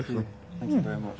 ありがとうございます。